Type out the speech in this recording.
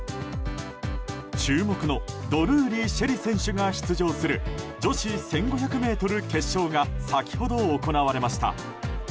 注目のドルーリー朱瑛里選手が出場する女子１５００ｍ決勝が先ほど行われました。